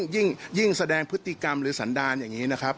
ยิ่งแสดงพฤติกรรมหรือสันดารอย่างนี้นะครับ